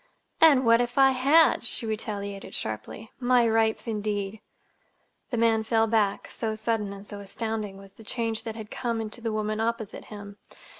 "And what if I had?" she retaliated sharply. "My rights, indeed!" The man fell back, so sudden and so astounding was the change that had come to the woman opposite him.